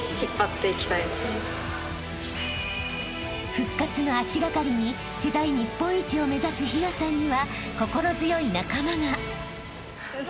［復活の足掛かりに世代日本一を目指す陽奈さんには心強い仲間が］